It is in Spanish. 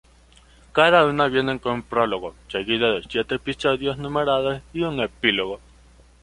Cada una viene con un prólogo, seguido de siete episodios numerados y un epílogo.